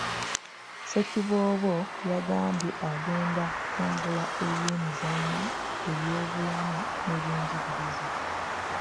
Ssekiboobo yagambye agenda kutumbula ebyemizannyo, ebyobulamu n'ebyenjigiriza.